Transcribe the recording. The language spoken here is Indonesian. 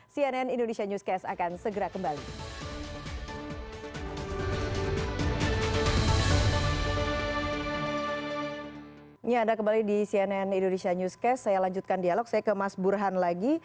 cnn indonesia newscast akan segera kembali